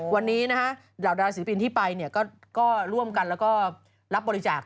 วันนี้นะฮะเหล่าดาศิลปินที่ไปก็ร่วมกันแล้วก็รับบริจาค